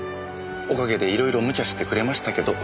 おかげでいろいろ無茶してくれましたけど。